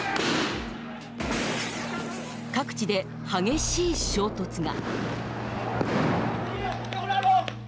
各地で激しい衝突が。